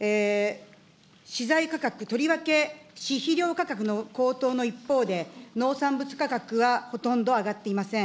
資材価格、とりわけ飼肥料価格の高騰の一方で、農産物価格はほとんど上がっていません。